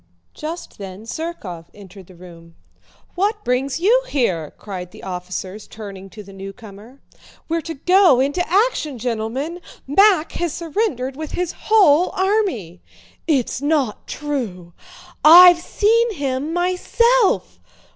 Just then Zherkóv entered the room. "What brings you here?" cried the officers turning to the newcomer. "We're to go into action, gentlemen! Mack has surrendered with his whole army." "It's not true!" "I've seen him myself!"